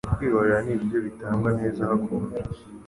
Kwihorera nibiryo bitangwa neza hakonje.